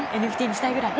ＮＦＴにしたいぐらい？